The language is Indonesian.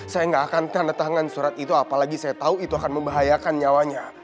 saya nggak akan tanda tangan surat itu apalagi saya tahu itu akan membahayakan nyawanya